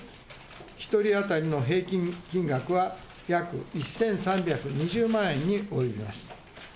１人当たりの平均金額は約１３２０万円に及びます。